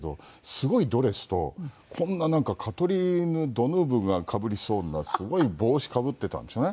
すごいドレスとこんななんかカトリーヌ・ドヌーヴがかぶりそうなすごい帽子かぶってたんですよね。